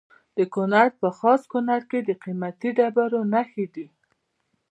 د کونړ په خاص کونړ کې د قیمتي ډبرو نښې دي.